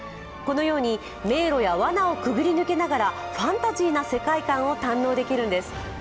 このように迷路やわなをくぐり抜けながらファンタジーな世界観を堪能できるんです。